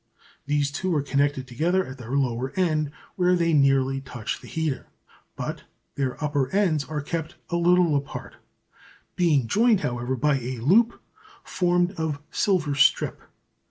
These two are connected together at their lower end, where they nearly touch the heater, but their upper ends are kept a little apart, being joined, however, by a loop formed of silver strip.